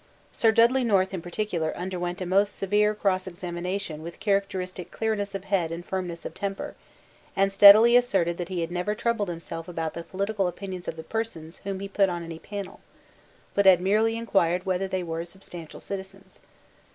Sir Dudley North, in particular, underwent a most severe cross examination with characteristic clearness of head and firmness of temper, and steadily asserted that he had never troubled himself about the political opinions of the persons whom he put on any panel, but had merely inquired whether they were substantial citizens.